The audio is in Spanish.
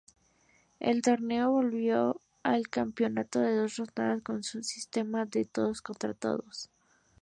El torneo volvió al campeonato de dos rondas con un sistema de todos-contra-todos.